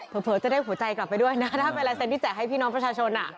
เผลอจะได้หัวใจกลับไปด้วยนะถ้าเป็นลายเซ็นที่แจกให้พี่น้องประชาชน